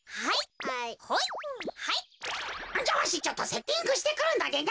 じゃあわしちょっとセッティングしてくるのでな。